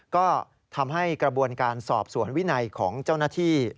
ก็ทำให้กระบวนการสอบสวนวินัยของเจ้าหน้าที่